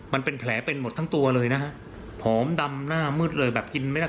มันเป็นแผลเป็นหมดทั้งตัวเลยนะฮะผอมดำหน้ามืดเลยแบบกินไม่ได้